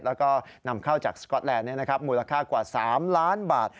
แล้วก็นำเข้าจากสก๊อตแลนด์มูลค่ากว่า๓ล้านบาท